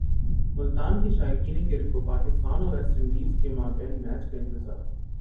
ملتان کے شائقین کرکٹ کو پاکستان اور ویسٹ انڈیز کے مابین میچ کا انتظار